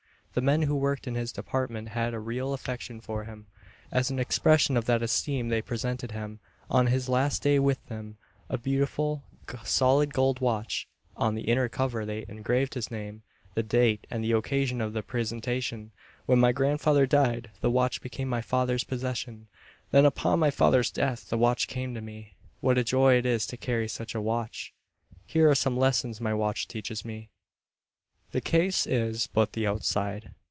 The men who worked in his department had a real affection for him. As an expression of that esteem they presented him, on his last day with them, a beautiful, solid gold watch. On the inner cover they engraved his name, the date, and the occasion of the presentation. When my grandfather died the watch became my father's possession. Then upon my father's death the watch came to me. What a joy it is to carry such a watch! Here are some lessons my watch teaches me. The case is but the outside.